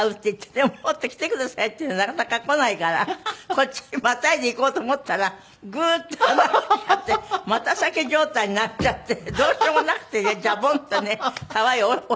でも「持ってきてください」って言うのになかなか来ないからこっちにまたいで行こうと思ったらグーッと離れちゃって股裂け状態になっちゃってどうしようもなくてねジャボンとね川へ落ちたの私。